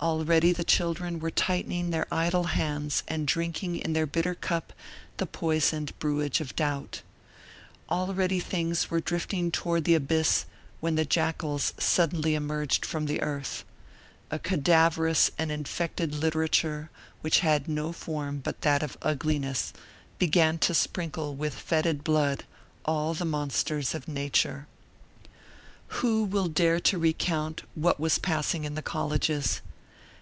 Already the children were tightening their idle hands and drinking in their bitter cup the poisoned brewage of doubt. Already things were drifting toward the abyss, when the jackals suddenly emerged from the earth. A cadaverous and infected literature which had no form but that of ugliness, began to sprinkle with fetid blood all the monsters of nature. Who will dare to recount what was passing in the colleges?